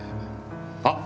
あっ！